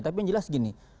tapi yang jelas gini